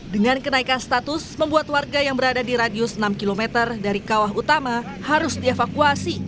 dengan kenaikan status membuat warga yang berada di radius enam km dari kawah utama harus dievakuasi